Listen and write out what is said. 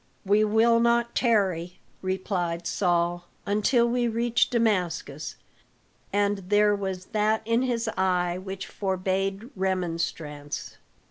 "We will not tarry," replied Saul, "until we reach Damascus." And there was that in his eye which forbade remonstrance.